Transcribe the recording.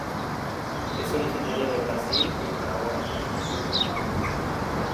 Es originaria de Brasil y Paraguay.